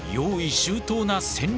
周到な戦略